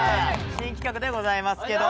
新企画でございますけども。